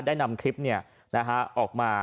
ได้นำคลิปเนี่ยนะฮะออกมา